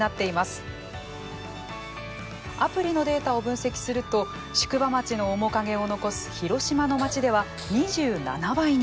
アプリのデータを分析すると宿場町の面影を残す広島の町では２７倍に。